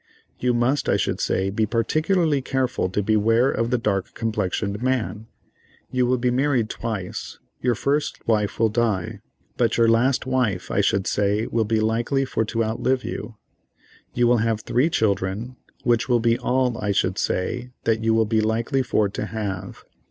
You must, I should say, be particularly careful to beware of the dark complexioned man. You will be married twice; your first wife will die, but your last wife, I should say, will be likely for to outlive you. You will have three children, which will be all, I should say, that you will be likely for to have."